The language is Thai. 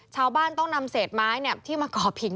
ชาวบ้านต้องนำเศษไม้ที่มาก่อผิง